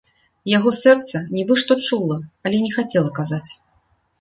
Яго сэрца нібы што чула, але не хацела казаць.